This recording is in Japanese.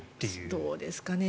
どうですかね。